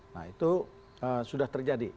nah itu sudah terjadi